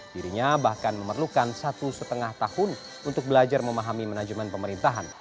dirinya bahkan memerlukan satu setengah tahun untuk belajar memahami manajemen pemerintahan